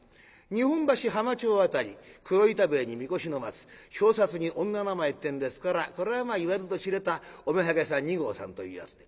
日本橋浜町辺り黒板塀に見越しの松表札に女名前ってんですからこれは言わずと知れたお妾さん二号さんというやつで。